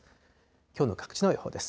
きょうの各地の予報です。